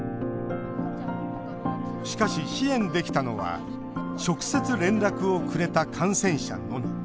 しかし支援できたのは直接、連絡をくれた感染者のみ。